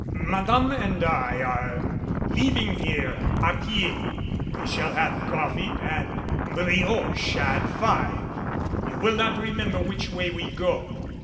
"Madame and I are leaving here a pied. We shall have coffee and brioche at five. You will not remember which way we go."